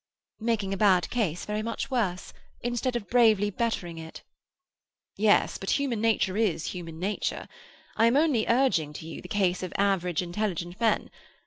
"Making a bad case very much worse, instead of bravely bettering it." "Yes, but human nature is human nature. I am only urging to you the case of average intelligent men.